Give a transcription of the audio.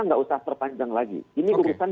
tidak usah terpanjang lagi ini hubungan